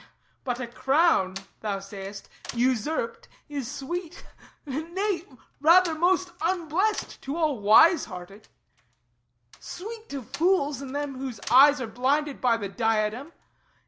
"But a crown," thou sayest, "Usurped, is sweet." Nay, rather most unblest To all wise hearted; sweet to fools and them Whose eyes are blinded by the diadem.